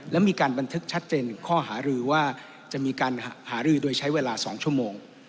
และมีการบันทึกชัดเจนถึงข้อหารือว่าจะมีการหารือโดยใช้เวลา๒ชั่วโมง